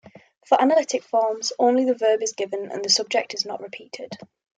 For analytic forms, only the verb is given and the subject is not repeated.